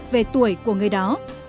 về tuổi của người đó